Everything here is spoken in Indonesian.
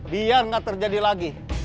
biar nggak terjadi lagi